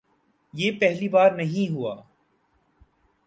یہ پہلی بار نہیں ہوا۔